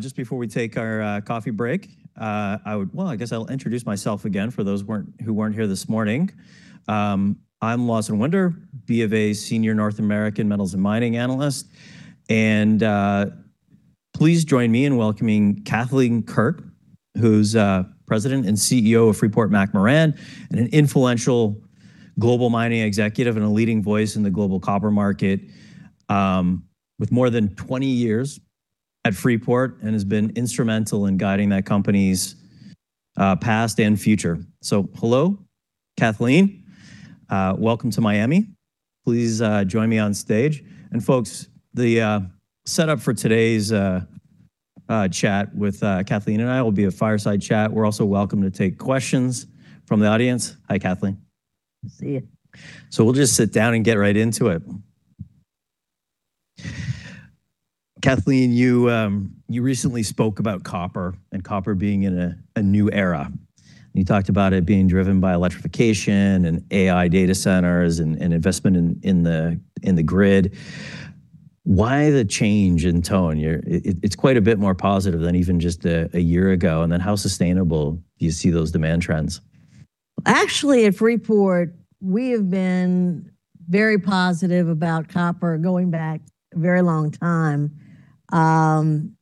Just before we take our coffee break, Well, I guess I'll introduce myself again for those who weren't here this morning. I'm Lawson Winder, BofA Senior North American Metals and Mining Analyst. Please join me in welcoming Kathleen Quirk, who's President and CEO of Freeport-McMoRan, and an influential global mining executive and a leading voice in the global copper market, with more than 20 years at Freeport, and has been instrumental in guiding that company's past and future. Hello, Kathleen. Welcome to Miami. Please join me on stage. Folks, the setup for today's chat with Kathleen and I will be a fireside chat. We're also welcome to take questions from the audience. Hi, Kathleen. See you. We'll just sit down and get right into it. Kathleen, you recently spoke about copper being in a new era, and you talked about it being driven by electrification and AI data centers and investment in the grid. Why the change in tone? It's quite a bit more positive than even just a year ago. How sustainable do you see those demand trends? Actually, at Freeport, we have been very positive about copper going back a very long time. In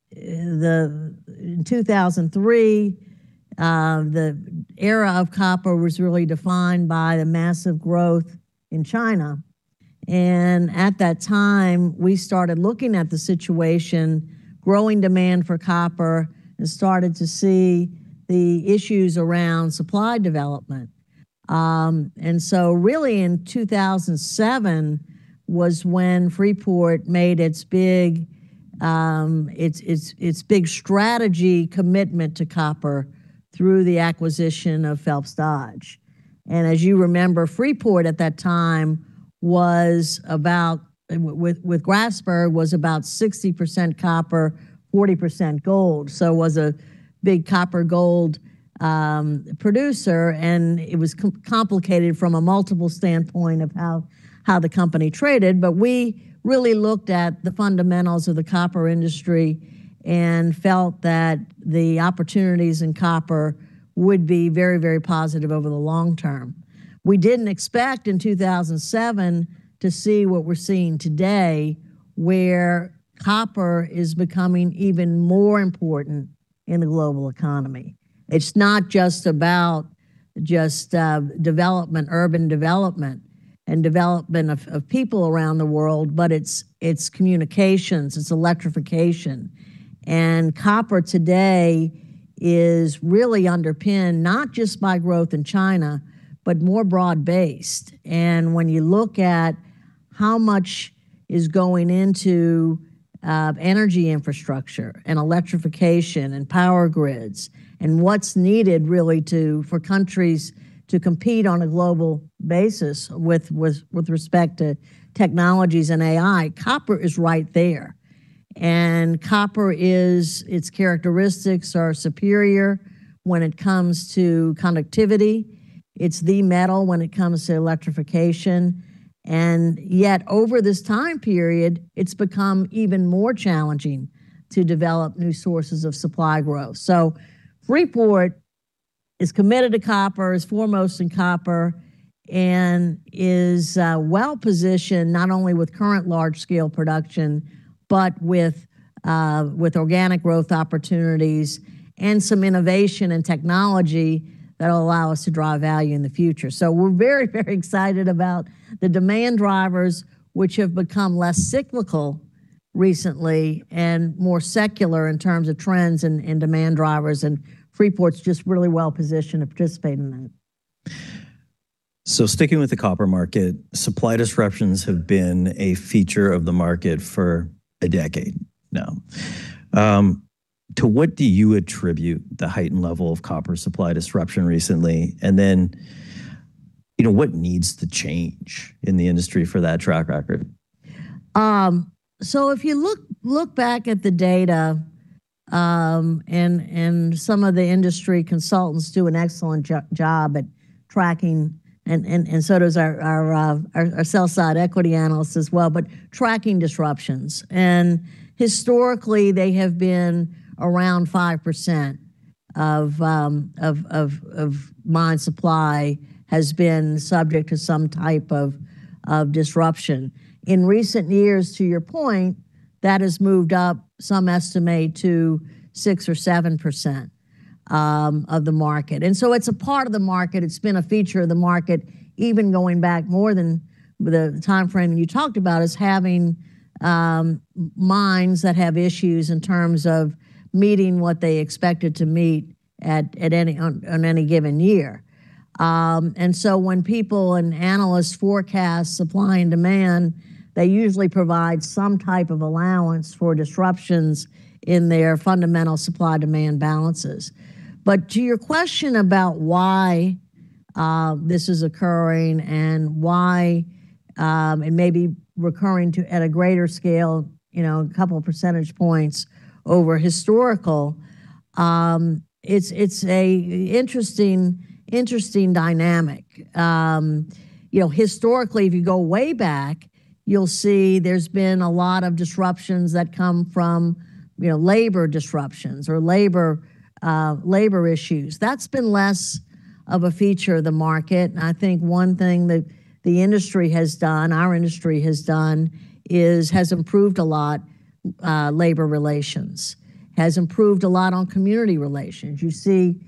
2003, the era of copper was really defined by the massive growth in China. At that time, we started looking at the situation, growing demand for copper, and started to see the issues around supply development. Really in 2007 was when Freeport made its big strategy commitment to copper through the acquisition of Phelps Dodge. As you remember, Freeport at that time was about, and with Grasberg, was about 60% copper, 40% gold. Was a big copper gold producer, and it was complicated from a multiple standpoint of how the company traded. We really looked at the fundamentals of the copper industry and felt that the opportunities in copper would be very, very positive over the long term. We didn't expect in 2007 to see what we're seeing today, where copper is becoming even more important in the global economy. It's not just about development, urban development and development of people around the world, but it's communications, it's electrification. Copper today is really underpinned not just by growth in China, but more broad-based. When you look at how much is going into energy infrastructure and electrification and power grids, and what's needed really for countries to compete on a global basis with respect to technologies and AI, copper is right there. Copper its characteristics are superior when it comes to conductivity. It's the metal when it comes to electrification. Yet over this time period, it's become even more challenging to develop new sources of supply growth. Freeport is committed to copper, is foremost in copper, and is well-positioned not only with current large scale production, but with organic growth opportunities and some innovation and technology that will allow us to drive value in the future. We're very excited about the demand drivers, which have become less cyclical recently and more secular in terms of trends and demand drivers. Freeport's just really well-positioned to participate in that. Sticking with the copper market, supply disruptions have been a feature of the market for a decade now. To what do you attribute the heightened level of copper supply disruption recently? You know, what needs to change in the industry for that track record? If you look back at the data, and some of the industry consultants do an excellent job at tracking and so does our sell-side equity analysts as well. Tracking disruptions. Historically, they have been around 5% of mine supply has been subject to some type of disruption. In recent years, to your point, that has moved up, some estimate to 6% or 7% of the market. It's a part of the market. It's been a feature of the market, even going back more than the timeframe you talked about, is having mines that have issues in terms of meeting what they expected to meet on any given year. When people and analysts forecast supply and demand, they usually provide some type of allowance for disruptions in their fundamental supply-demand balances. To your question about why this is occurring and why it may be recurring at a greater scale, you know, a couple percentage points over historical, it's an interesting dynamic. You know, historically, if you go way back, you'll see there's been a lot of disruptions that come from, you know, labor disruptions or labor issues. That's been less of a feature of the market. I think one thing that the industry has done, our industry has done, has improved a lot labor relations, has improved a lot on community relations. You see,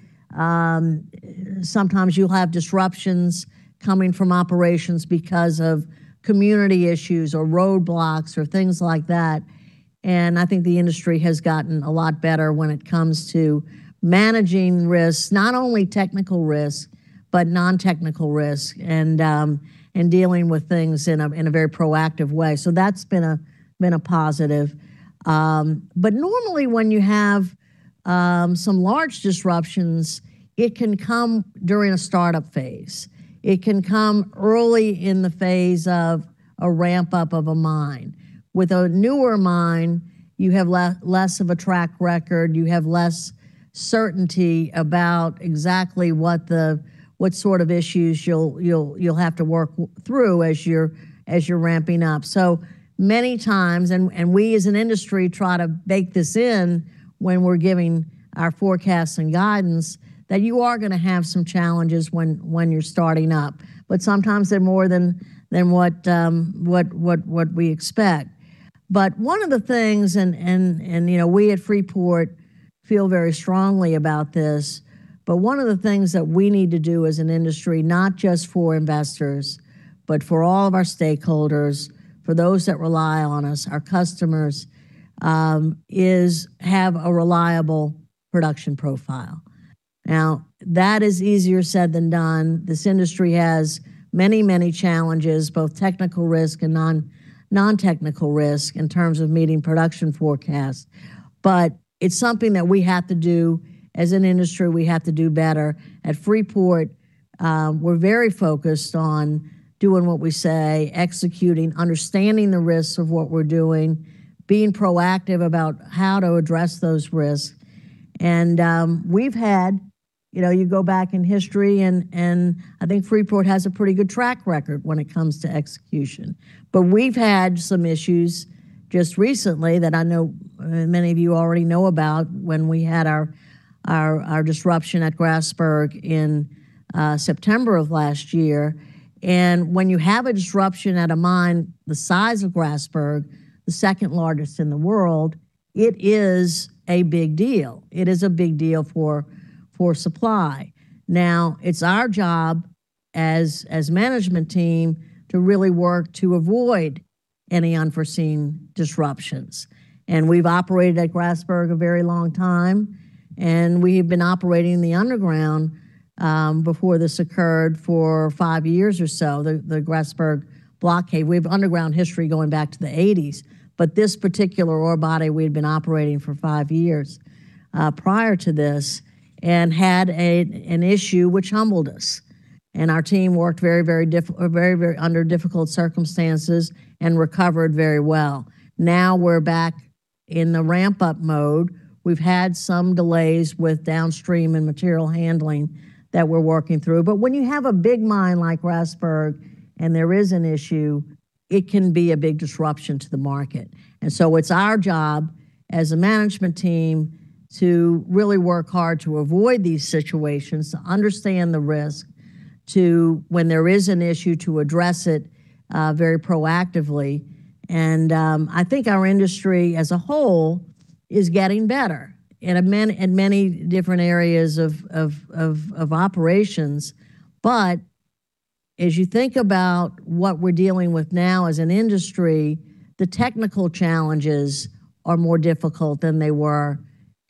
sometimes you'll have disruptions coming from operations because of community issues or roadblocks or things like that. I think the industry has gotten a lot better when it comes to managing risks, not only technical risk, but non-technical risk and dealing with things in a very proactive way. That's been a positive. Normally when you have some large disruptions, it can come during a startup phase. It can come early in the phase of a ramp-up of a mine. With a newer mine, you have less of a track record, you have less certainty about exactly what sort of issues you'll have to work through as you're ramping up. Many times, and we as an industry try to bake this in when we're giving our forecasts and guidance, that you are going to have some challenges when you're starting up. Sometimes they're more than what we expect. One of the things, and you know, we at Freeport feel very strongly about this, but one of the things that we need to do as an industry, not just for investors, but for all of our stakeholders, for those that rely on us, our customers, is have a reliable production profile. That is easier said than done. This industry has many challenges, both technical risk and non-technical risk in terms of meeting production forecasts. It's something that we have to do as an industry, we have to do better. At Freeport, we're very focused on doing what we say, executing, understanding the risks of what we're doing, being proactive about how to address those risks. We've had You know, you go back in history and I think Freeport has a pretty good track record when it comes to execution. We've had some issues just recently that I know many of you already know about when we had our disruption at Grasberg in September of last year. When you have a disruption at a mine the size of Grasberg, the second largest in the world, it is a big deal. It is a big deal for supply. Now, it's our job as management team to really work to avoid any unforeseen disruptions. We've operated at Grasberg a very long time, and we've been operating the underground before this occurred for five years or so, the Grasberg Block Cave. We have underground history going back to the 1980s. This particular ore body we've been operating for five years prior to this and had an issue which humbled us. Our team worked very under difficult circumstances and recovered very well. Now we're back in the ramp-up mode. We've had some delays with downstream and material handling that we're working through. When you have a big mine like Grasberg and there is an issue, it can be a big disruption to the market. It's our job as a management team to really work hard to avoid these situations, to understand the risk, to, when there is an issue, to address it very proactively. I think our industry as a whole is getting better in many different areas of operations. As you think about what we're dealing with now as an industry, the technical challenges are more difficult than they were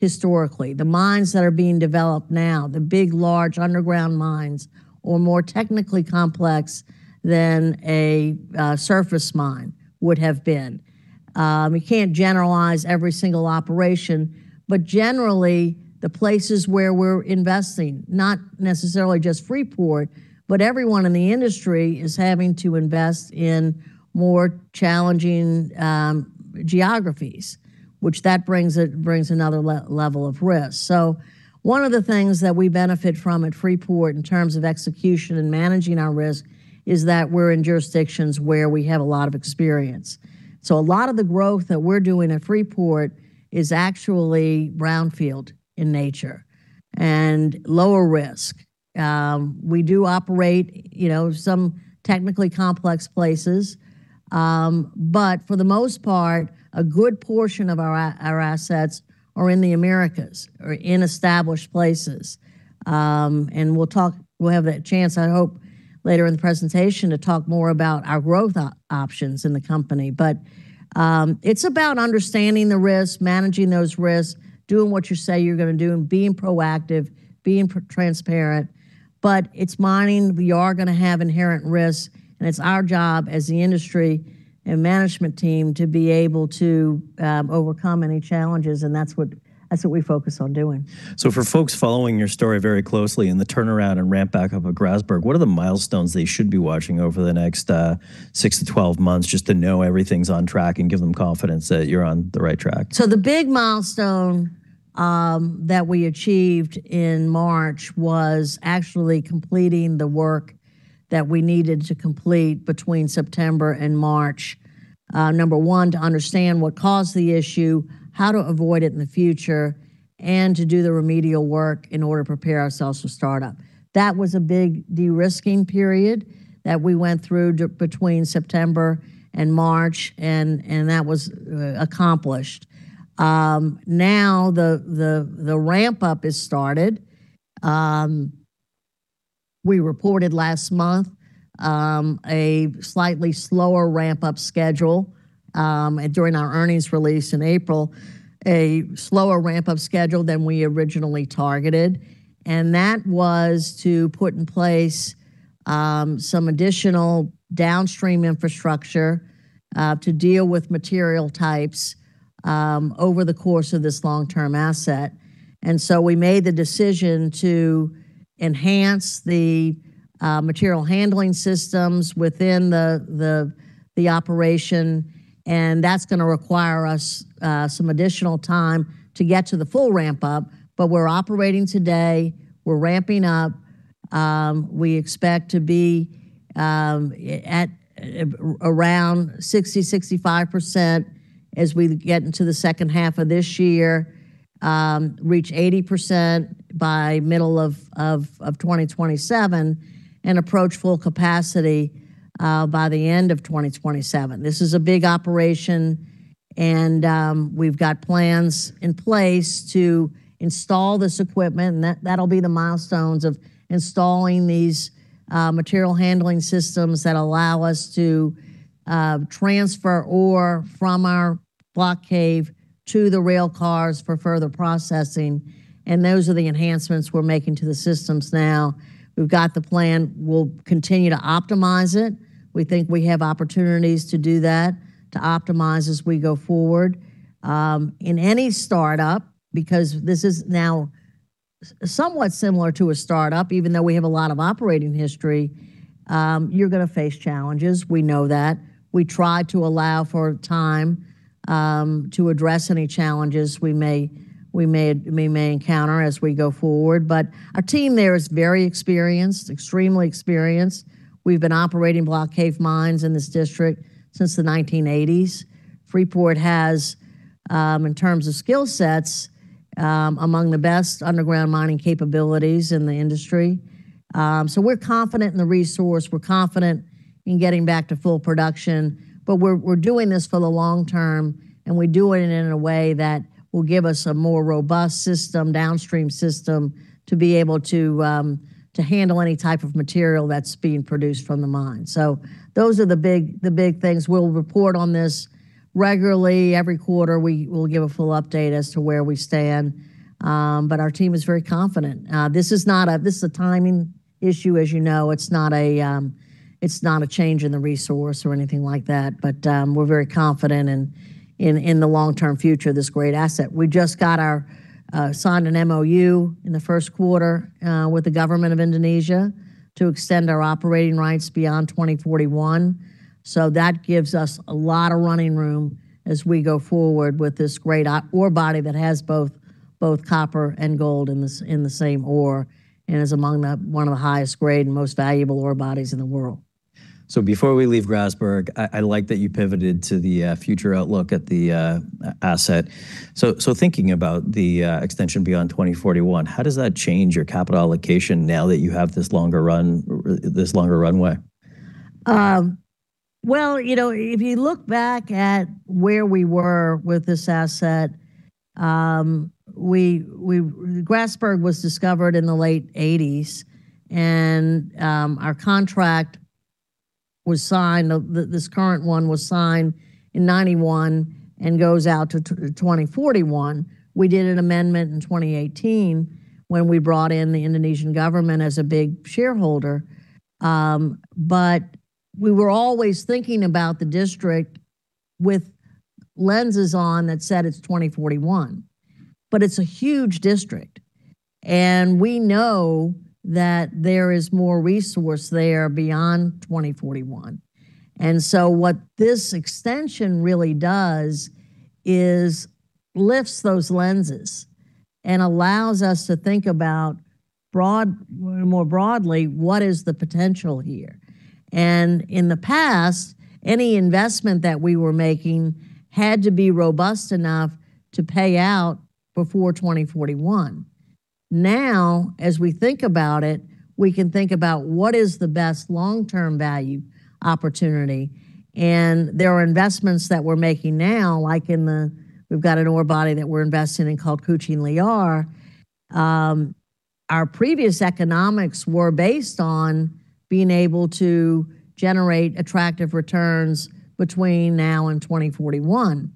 historically. The mines that are being developed now, the big, large underground mines, are more technically complex than a surface mine would have been. We can't generalize every single operation, but generally, the places where we're investing, not necessarily just Freeport, but everyone in the industry is having to invest in more challenging geographies, which that brings another level of risk. One of the things that we benefit from at Freeport in terms of execution and managing our risk is that we're in jurisdictions where we have a lot of experience. A lot of the growth that we're doing at Freeport is actually brownfield in nature and lower risk. We do operate, you know, some technically complex places, but for the most part, a good portion of our assets are in the Americas or in established places. And we'll talk, we'll have that chance, I hope, later in the presentation to talk more about our growth options in the company. It's about understanding the risks, managing those risks, doing what you say you're gonna do, and being proactive, being transparent. It's mining. We are gonna have inherent risks, and it's our job as the industry and management team to be able to overcome any challenges, and that's what we focus on doing. For folks following your story very closely and the turnaround and ramp back up of Grasberg, what are the milestones they should be watching over the next 6-12 months just to know everything's on track and give them confidence that you're on the right track? The big milestone that we achieved in March was actually completing the work that we needed to complete between September and March. Number one, to understand what caused the issue, how to avoid it in the future, and to do the remedial work in order to prepare ourselves for startup. That was a big de-risking period that we went through between September and March, and that was accomplished. Now the ramp-up is started. We reported last month a slightly slower ramp-up schedule during our earnings release in April, a slower ramp-up schedule than we originally targeted. That was to put in place some additional downstream infrastructure to deal with material types over the course of this long-term asset. We made the decision to enhance the material handling systems within the operation, and that's going to require us some additional time to get to the full ramp-up. We're operating today, we're ramping up. We expect to be at around 60%-65% as we get into the second half of this year, reach 80% by middle of 2027, and approach full capacity by the end of 2027. This is a big operation and we've got plans in place to install this equipment, and that'll be the milestones of installing these material handling systems that allow us to transfer ore from our block cave to the rail cars for further processing. Those are the enhancements we're making to the systems now. We've got the plan. We'll continue to optimize it. We think we have opportunities to do that, to optimize as we go forward. In any startup, because this is now somewhat similar to a startup, even though we have a lot of operating history, you're gonna face challenges. We know that. We try to allow for time to address any challenges we may encounter as we go forward. Our team there is very experienced, extremely experienced. We've been operating block cave mines in this district since the 1980s. Freeport has, in terms of skill sets, among the best underground mining capabilities in the industry. We're confident in the resource. We're confident in getting back to full production. We're doing this for the long term, and we're doing it in a way that will give us a more robust system, downstream system, to be able to handle any type of material that's being produced from the mine. Those are the big things. We'll report on this regularly. Every quarter we will give a full update as to where we stand, our team is very confident. This is a timing issue, as you know. It's not a change in the resource or anything like that. We're very confident in the long-term future of this great asset. We just got our signed an MoU in the first quarter with the government of Indonesia to extend our operating rights beyond 2041. That gives us a lot of running room as we go forward with this great ore body that has both copper and gold in the same ore and is one of the highest grade and most valuable ore bodies in the world. Before we leave Grasberg, I like that you pivoted to the future outlook at the asset. Thinking about the extension beyond 2041, how does that change your capital allocation now that you have this longer run, this longer runway? You know, if you look back at where we were with this asset, Grasberg was discovered in the late 1980s, our contract was signed, this current one was signed in 1991 and goes out to 2041. We did an amendment in 2018 when we brought in the Indonesian government as a big shareholder. We were always thinking about the district with lenses on that said it's 2041. It's a huge district, and we know that there is more resource there beyond 2041. What this extension really does is lifts those lenses and allows us to think about more broadly, what is the potential here. In the past, any investment that we were making had to be robust enough to pay out before 2041. As we think about it, we can think about what is the best long-term value opportunity. There are investments that we're making now, like we've got an ore body that we're investing in called Kucing Liar. Our previous economics were based on being able to generate attractive returns between now and 2041.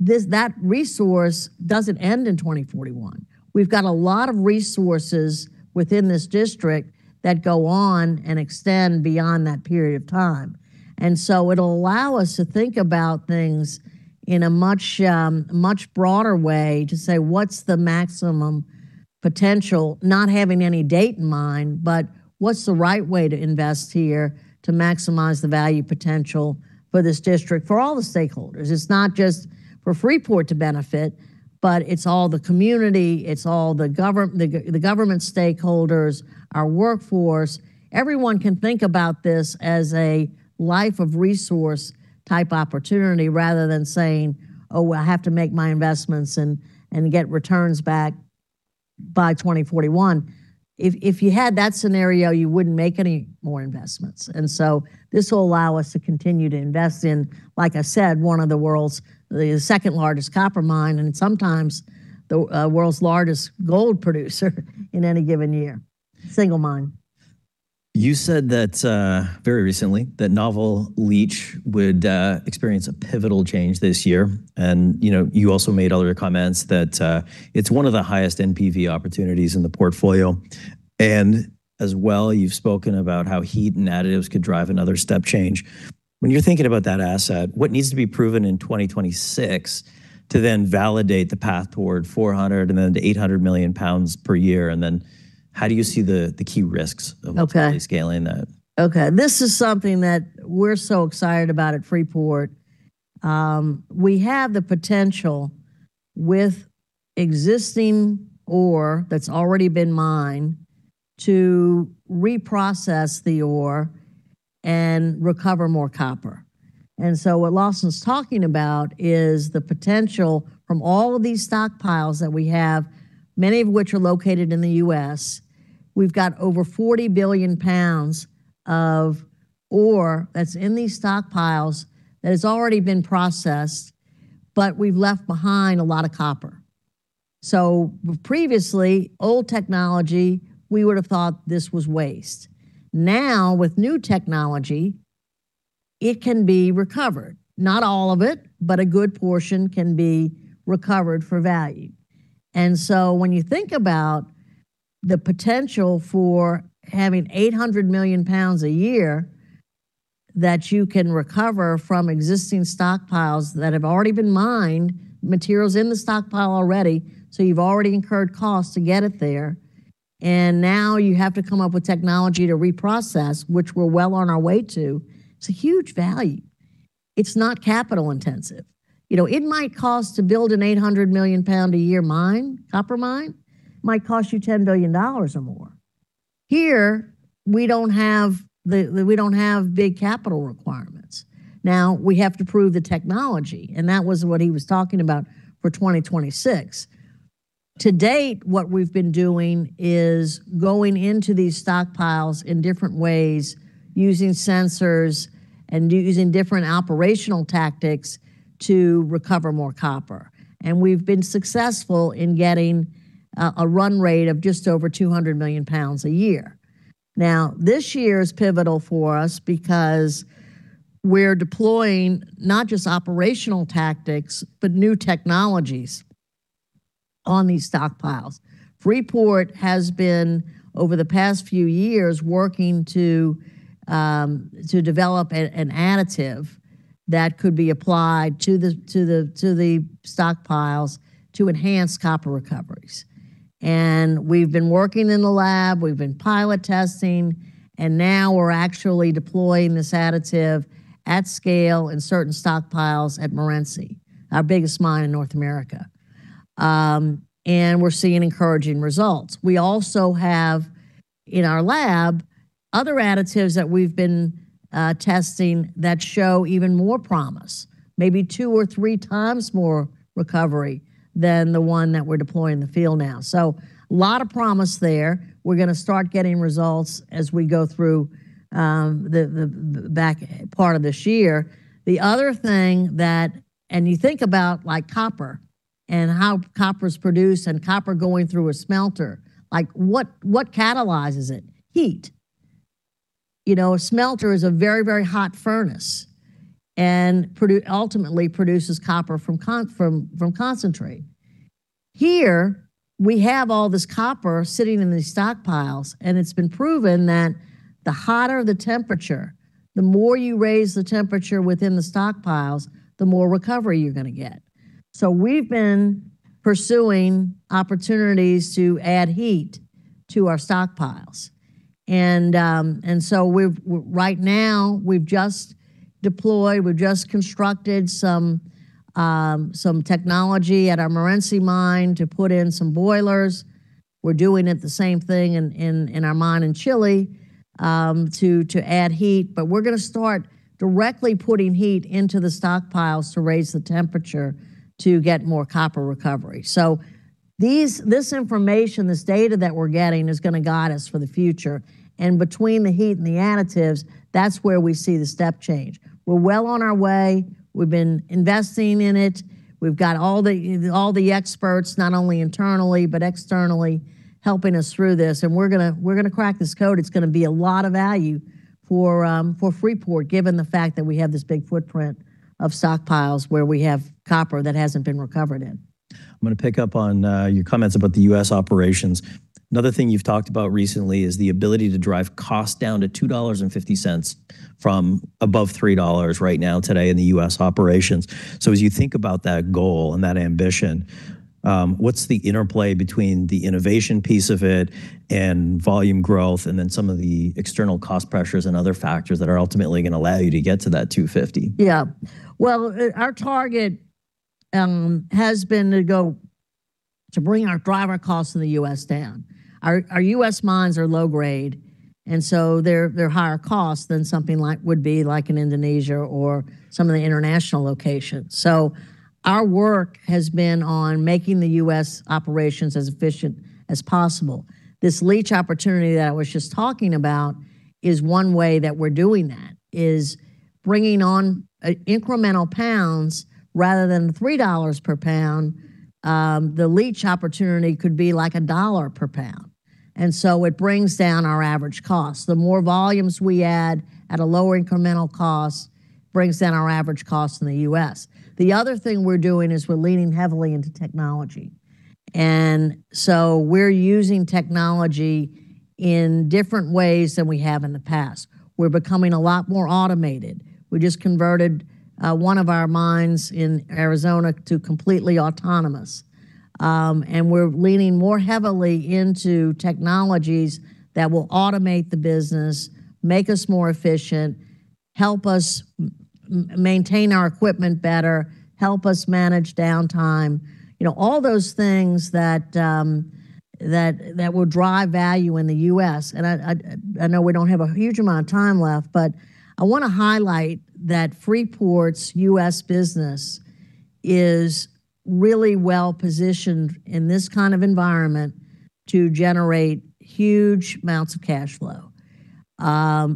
That resource doesn't end in 2041. We've got a lot of resources within this district that go on and extend beyond that period of time. It'll allow us to think about things in a much, much broader way to say, "What's the maximum potential not having any date in mind, but what's the right way to invest here to maximize the value potential for this district, for all the stakeholders? It's not just for Freeport to benefit, but it's all the community, it's all the government stakeholders, our workforce. Everyone can think about this as a life of resource type opportunity rather than saying, "Oh, well, I have to make my investments and get returns back by 2041." If you had that scenario, you wouldn't make any more investments. This will allow us to continue to invest in, like I said, one of the world's the second-largest copper mine, and sometimes the world's largest gold producer in any given year. Single mine. You said that very recently, that novel leach would experience a pivotal change this year. You know, you also made other comments that it's one of the highest NPV opportunities in the portfolio. As well, you've spoken about how heat and additives could drive another step change. When you're thinking about that asset, what needs to be proven in 2026 to then validate the path toward 400 and then to 800 million lbs per year? How do you see the key risks? Okay of fully scaling that? Okay. This is something that we're so excited about at Freeport. We have the potential with existing ore that's already been mined to reprocess the ore and recover more copper. What Lawson's talking about is the potential from all of these stockpiles that we have, many of which are located in the U.S. We've got over 40 billion lbs of ore that's in these stockpiles that has already been processed, but we've left behind a lot of copper. Previously, old technology, we would have thought this was waste. Now, with new technology, it can be recovered. Not all of it, but a good portion can be recovered for value. When you think about the potential for having 800 million lbs a year that you can recover from existing stockpiles that have already been mined, materials in the stockpile already, so you've already incurred costs to get it there, and now you have to come up with technology to reprocess, which we're well on our way to. It's a huge value. It's not capital intensive. You know, it might cost to build an 800 million lbs a year mine, copper mine, might cost you $10 billion or more. Here, we don't have big capital requirements. Now, we have to prove the technology, and that was what he was talking about for 2026. To date, what we've been doing is going into these stockpiles in different ways, using sensors and using different operational tactics to recover more copper, and we've been successful in getting a run rate of just over 200 million lbs a year. This year is pivotal for us because we're deploying not just operational tactics, but new technologies on these stockpiles. Freeport has been, over the past few years, working to develop an additive that could be applied to the stockpiles to enhance copper recoveries. We've been working in the lab, we've been pilot testing, and now we're actually deploying this additive at scale in certain stockpiles at Morenci, our biggest mine in North America. We're seeing encouraging results. We also have, in our lab, other additives that we've been testing that show even more promise, maybe 2x or 3x more recovery than the one that we're deploying in the field now. A lot of promise there. We're gonna start getting results as we go through the back part of this year. The other thing that you think about, like, copper and how copper is produced and copper going through a smelter. Like, what catalyzes it? Heat. You know, a smelter is a very hot furnace and ultimately produces copper from concentrate. Here, we have all this copper sitting in these stockpiles, and it's been proven that the hotter the temperature, the more you raise the temperature within the stockpiles, the more recovery you're gonna get. We've been pursuing opportunities to add heat to our stockpiles. Right now, we've just deployed, we've just constructed some technology at our Morenci Mine to put in some boilers. We're doing it, the same thing, in our mine in Chile, to add heat. We're gonna start directly putting heat into the stockpiles to raise the temperature to get more copper recovery. These, this information, this data that we're getting is gonna guide us for the future. Between the heat and the additives, that's where we see the step change. We're well on our way. We've been investing in it. We've got all the, all the experts, not only internally, but externally, helping us through this. We're gonna, we're gonna crack this code. It's going to be a lot of value for Freeport, given the fact that we have this big footprint of stockpiles where we have copper that hasn't been recovered yet. I'm gonna pick up on your comments about the U.S. operations. Another thing you've talked about recently is the ability to drive costs down to $2.50 from above $3 right now today in the U.S. operations. As you think about that goal and that ambition, what's the interplay between the innovation piece of it and volume growth and then some of the external cost pressures and other factors that are ultimately gonna allow you to get to that $2.50? Yeah. Well, our target has been to bring our driver costs in the U.S. down. Our U.S. mines are low grade, they're higher cost than something like would be like in Indonesia or some of the international locations. Our work has been on making the U.S. operations as efficient as possible. This leach opportunity that I was just talking about is one way that we're doing that, is bringing on incremental pounds rather than $3 per pound, the leach opportunity could be like $1 per pound. It brings down our average cost. The more volumes we add at a lower incremental cost brings down our average cost in the U.S. The other thing we're doing is we're leaning heavily into technology. We're using technology in different ways than we have in the past. We're becoming a lot more automated. We just converted one of our mines in Arizona to completely autonomous. We're leaning more heavily into technologies that will automate the business, make us more efficient, help us maintain our equipment better, help us manage downtime. You know, all those things that will drive value in the U.S. I know we don't have a huge amount of time left, but I wanna highlight that Freeport's U.S. business is really well-positioned in this kind of environment to generate huge amounts of cash flow.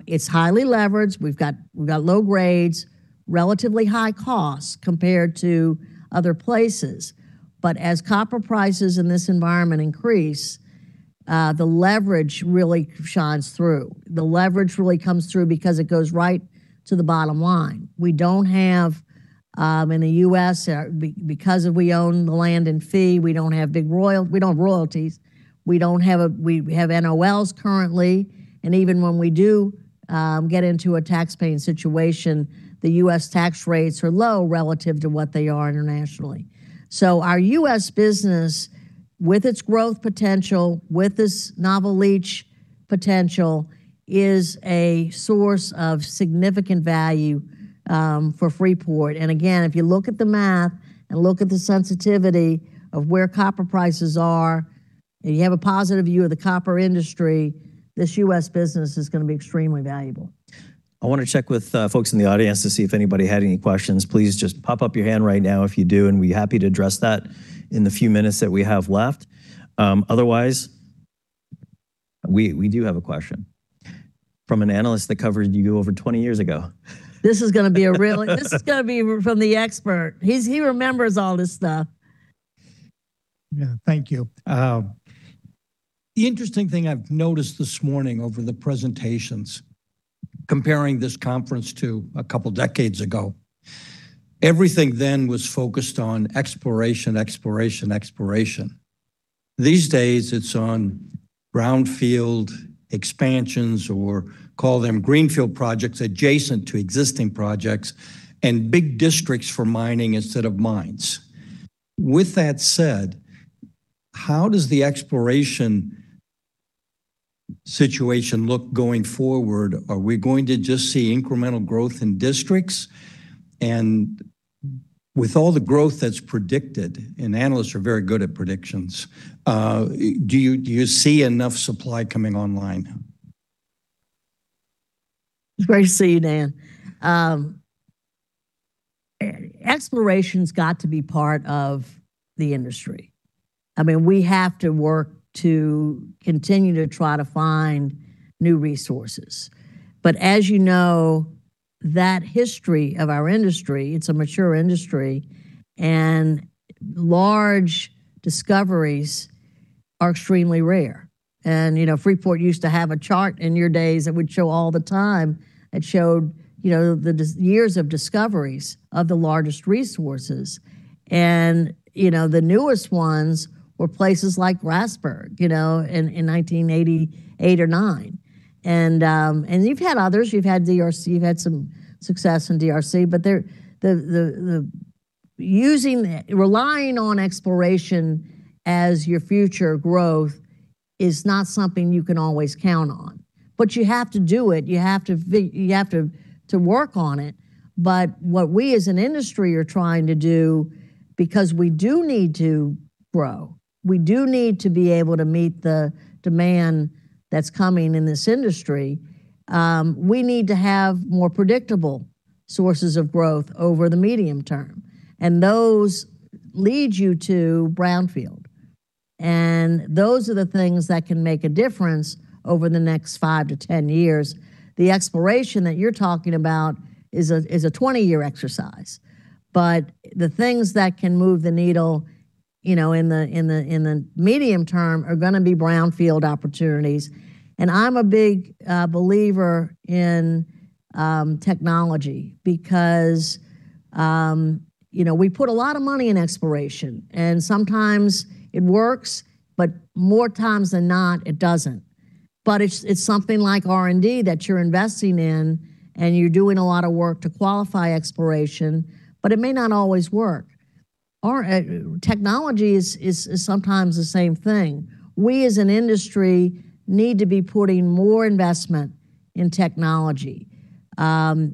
It's highly leveraged. We've got low grades, relatively high costs compared to other places. As copper prices in this environment increase, the leverage really shines through. The leverage really comes through because it goes right to the bottom line. We don't have in the U.S., because we own the land and fee, we don't royalties. We have NOLs currently, and even when we do get into a tax-paying situation, the U.S. tax rates are low relative to what they are internationally. Our U.S. business, with its growth potential, with this novel leach potential, is a source of significant value for Freeport. Again, if you look at the math and look at the sensitivity of where copper prices are, and you have a positive view of the copper industry, this U.S. business is gonna be extremely valuable. I wanna check with, folks in the audience to see if anybody had any questions. Please just pop up your hand right now if you do, and we'd be happy to address that in the few minutes that we have left. Otherwise We do have a question from an analyst that covered you over 20 years ago. This is gonna be from the expert. He remembers all this stuff. Yeah. Thank you. The interesting thing I've noticed this morning over the presentations, comparing this conference to a couple decades ago, everything then was focused on exploration, exploration. These days, it's on brownfield expansions or call them greenfield projects adjacent to existing projects and big districts for mining instead of mines. How does the exploration situation look going forward? Are we going to just see incremental growth in districts? With all the growth that's predicted, and analysts are very good at predictions, do you see enough supply coming online? It's great to see you, Dan. Exploration's got to be part of the industry. I mean, we have to work to continue to try to find new resources. As you know, that history of our industry, it's a mature industry, and large discoveries are extremely rare. You know, Freeport used to have a chart in your days that would show all the time. It showed, you know, years of discoveries of the largest resources. You know, the newest ones were places like Grasberg, you know, in 1988 or 1989. You've had others. You've had DRC. You've had some success in DRC. Using that, relying on exploration as your future growth is not something you can always count on. You have to do it. You have to work on it. What we as an industry are trying to do, because we do need to grow, we do need to be able to meet the demand that's coming in this industry, we need to have more predictable sources of growth over the medium term. Those lead you to brownfield. Those are the things that can make a difference over the next 5-10 years. The exploration that you're talking about is a 20-year exercise. The things that can move the needle, you know, in the medium term are gonna be brownfield opportunities. I'm a big believer in technology because, you know, we put a lot of money in exploration, and sometimes it works, but more times than not, it doesn't. It's, it's something like R&D that you're investing in, and you're doing a lot of work to qualify exploration, but it may not always work. Our technology is sometimes the same thing. We as an industry need to be putting more investment in technology.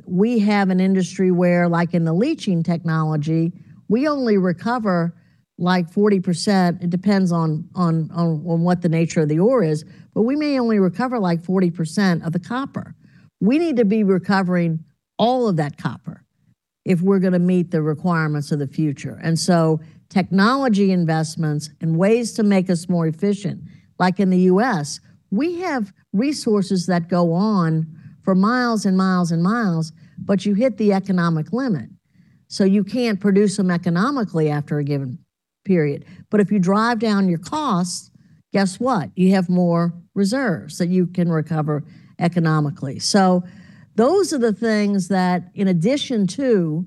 We have an industry where, like in the leaching technology, we only recover, like, 40%. It depends on what the nature of the ore is, but we may only recover, like, 40% of the copper. We need to be recovering all of that copper if we're gonna meet the requirements of the future. Technology investments and ways to make us more efficient. Like in the U.S., we have resources that go on for miles and miles and miles, but you hit the economic limit, so you can't produce them economically after a given period. If you drive down your costs, guess what? You have more reserves that you can recover economically. Those are the things that, in addition to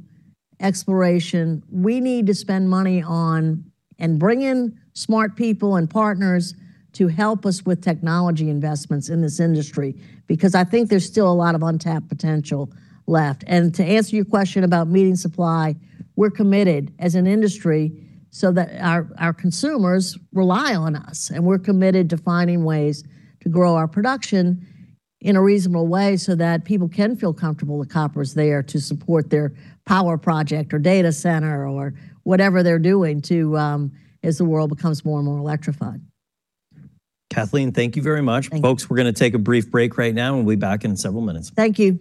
exploration, we need to spend money on and bring in smart people and partners to help us with technology investments in this industry, because I think there's still a lot of untapped potential left. To answer your question about meeting supply, we're committed as an industry so that our consumers rely on us, and we're committed to finding ways to grow our production in a reasonable way so that people can feel comfortable that copper is there to support their power project or data center or whatever they're doing to as the world becomes more and more electrified. Kathleen, thank you very much. Thank you. Folks, we're gonna take a brief break right now and we'll be back in several minutes. Thank you.